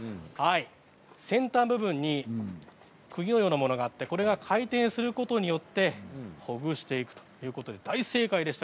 先端部分にくぎのようなものがあってこれが回転することによってほぐしていくということで大正解でした。